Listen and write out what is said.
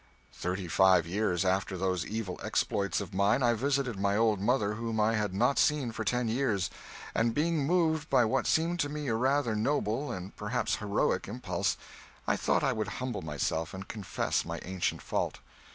Thirty five years after those evil exploits of mine I visited my old mother, whom I had not seen for ten years; and being moved by what seemed to me a rather noble and perhaps heroic impulse, I thought I would humble myself and confess my ancient fault.